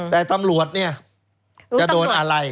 แต่ตำรวจเนี่ยจะโดนอะไร